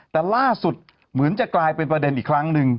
แต่ล่าสุดเหมือนจะกลายเป็นประเด็นอีกครั้งหนึ่ง